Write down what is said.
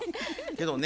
けどね